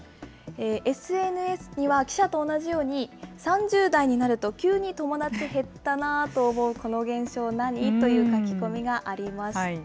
ＳＮＳには記者と同じように、３０代になると急に友達減ったなと思う、この現象、何？という書き込みがありました。